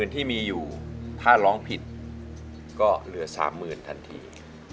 ที่มีอยู่ถ้าร้องผิดก็เหลือ๓๐๐๐ทันที